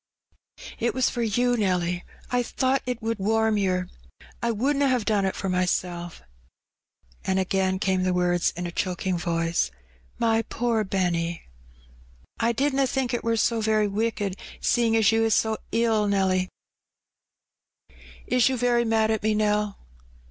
'^It was for you, Nelly, I thought ^t would warm yer. I wouldna *ave done it for myself." And again came the words, in a choking voice, ''My poor Benny !" ''I didna think it war so very wicked, seein* as you is so ill, Nelly. Is you very mad at me, Nell?"